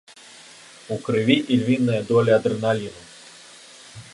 У крыві ільвіная доля адрэналіну.